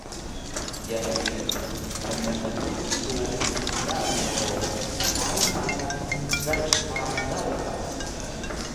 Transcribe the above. Kiya ni mnhdu su qmita do sai nanaq mgay Tadaw da